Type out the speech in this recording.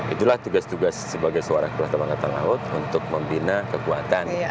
itulah tugas tugas sebagai seorang kepala tem angkatan laut untuk membina kekuatan